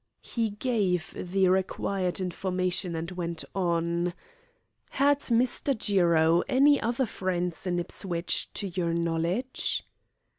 He gave the required information, and went on: "Had Mr. Jiro any other friends in Ipswich to your knowledge?"